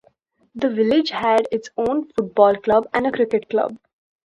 The village had its own football club and a cricket club.